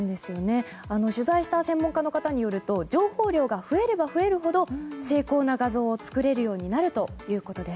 取材した専門家の方によると情報量が増えれば増えるほど精巧な画像を作れるようになるということです。